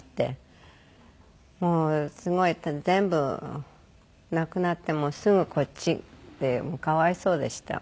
もうすごい全部亡くなってもすぐこっちでかわいそうでした。